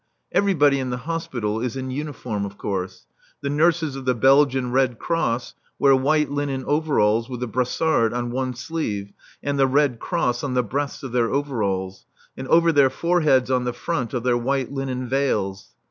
Everybody in the hospital is in uniform, of course. The nurses of the Belgian Red Cross wear white linen overalls with the brassard on one sleeve, and the Red Cross on the breasts of their overalls, and over their foreheads on the front of their white linen veils.